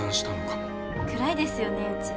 暗いですよねうち。